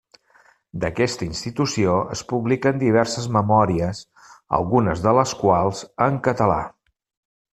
D'aquesta institució es publiquen diverses memòries algunes de les quals en català.